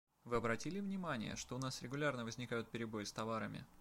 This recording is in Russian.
Вы обратили внимание, что у нас регулярно возникают перебои с товарами?